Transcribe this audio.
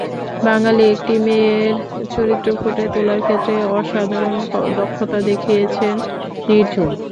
বাঙালি একটি মেয়ের চরিত্র ফুটিয়ে তোলার ক্ষেত্রে অসাধারণ দক্ষতা দেখিয়েছেন নির্ঝুম।